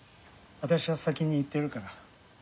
私は先に行ってるから。